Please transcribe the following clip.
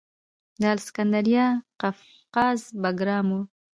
د الکسندریه قفقاز بګرام و